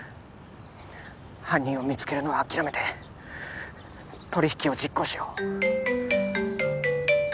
犯人を見つけるのは諦めて取り引きを実行しよう